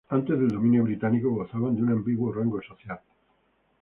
Antes del dominio británico gozaban de un ambiguo rango social.